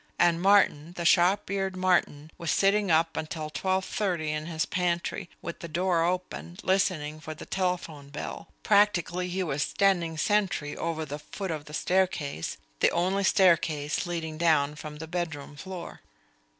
_ And Martin, the sharp eared Martin, was sitting up until twelve thirty in his pantry, with the door open, listening for the telephone bell. Practically he was standing sentry over the foot of the staircase, the only staircase leading down from the bedroom floor.